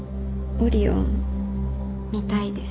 オリオン見たいです。